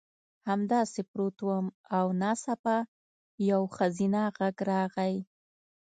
همداسې پروت وم او ناڅاپه یو ښځینه غږ راغی